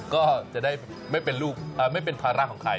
ก็จะได้ไม่เป็นลูกไม่เป็นภาระของใคร